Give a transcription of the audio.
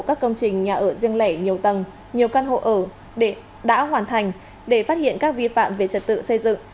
các công trình nhà ở riêng lẻ nhiều tầng nhiều căn hộ ở đã hoàn thành để phát hiện các vi phạm về trật tự xây dựng